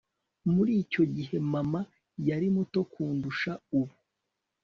Muri icyo gihe mama yari muto kundusha ubu